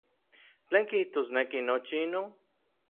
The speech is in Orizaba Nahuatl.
¿Tlen kijtosneki nochi inon?